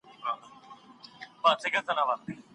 خاوند باید خپله ميرمن ونه ځوروي.